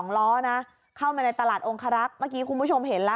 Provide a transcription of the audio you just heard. ล้อนะเข้ามาในตลาดองคารักษ์เมื่อกี้คุณผู้ชมเห็นแล้ว